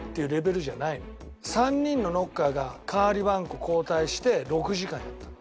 ３人のノッカーが代わり番こ交代して６時間やったの。